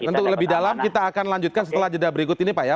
untuk lebih dalam kita akan lanjutkan setelah jeda berikut ini pak ya